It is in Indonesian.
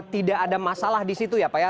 tidak ada masalah di situ ya pak ya